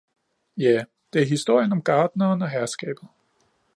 Ja, det er historien om gartneren og herskabet